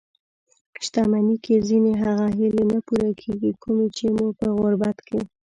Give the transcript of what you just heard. شتمني کې ځينې هغه هیلې نه پوره کېږي؛ کومې چې مو په غربت کې